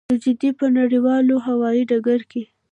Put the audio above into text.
د جدې په نړیوال هوايي ډګر کې.